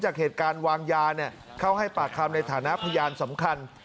จากเหตุการณ์วางยาเข้าให้ปากคำในฐานะพยานสำคัญ